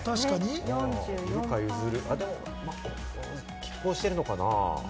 拮抗してるのかな？